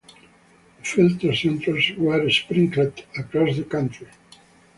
The filter centres were sprinkled across the country.